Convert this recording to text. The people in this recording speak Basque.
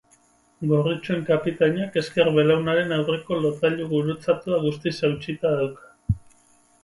Gorritxoen kapitainak ezker belaunaren aurreko lotailu gurutzatua guztiz hautsita dauka.